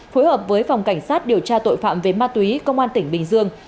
phối hợp với phòng cảnh sát điều tra tội phạm về ma túy công an tỉnh bình dương